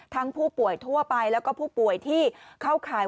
ผู้ป่วยทั่วไปแล้วก็ผู้ป่วยที่เข้าข่าย